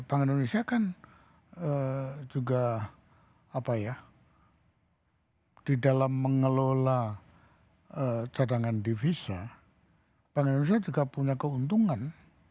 bank indonesia kan juga apa ya di dalam mengelola cadangan divisa bank indonesia juga punya keuntungan